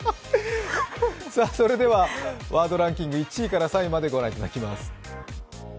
それではワードランキング、１位から３位まで御覧いただきます。